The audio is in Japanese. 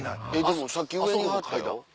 でもさっき上にいはったよ。